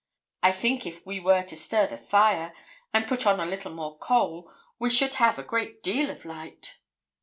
'I think if we were to stir the fire, and put on a little more coal, we should have a great deal of light.'